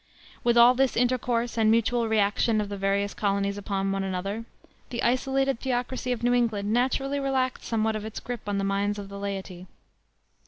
With all this intercourse and mutual reaction of the various colonies upon one another, the isolated theocracy of New England naturally relaxed somewhat of its grip on the minds of the laity.